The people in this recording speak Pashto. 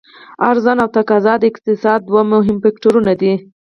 عرضا او تقاضا د اقتصاد دوه مهم فکتورونه دي.